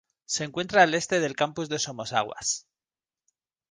Se encuentra al este del Campus de Somosaguas.